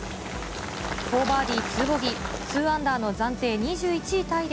フォーバーディーツーボギー、ツーアンダーの暫定２１位タイで